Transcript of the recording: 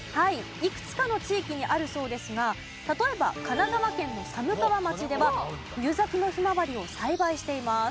いくつかの地域にあるそうですが例えば神奈川県の寒川町では冬咲きのヒマワリを栽培しています。